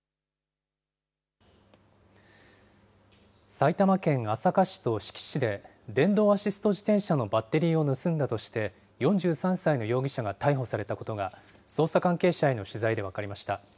埼玉県朝霞市と志木市で、電動アシスト自転車のバッテリーを盗んだとして、４３歳の容疑者が逮捕されたことが捜査関係者への取材で分かりました。